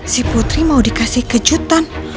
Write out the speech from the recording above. si putri mau dikasih kejutan